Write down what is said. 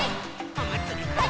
おまつりぽん！